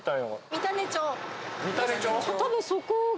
三種町？